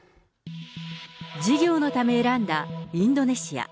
事業のため選んだインドネシア。